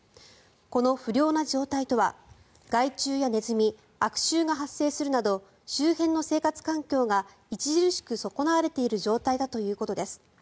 この不良な状態とは害虫やネズミ悪臭が発生するなど周辺の生活環境が著しく損なわれている状態だということです。